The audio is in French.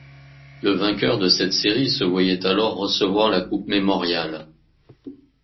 Le vainqueur de cette série se voyait alors recevoir la Coupe Memorial.